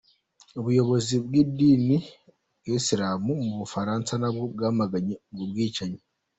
Abayobozi b’idini ya Isilamu mu Bufaransa nabo bamaganye ubwo bwicanyi.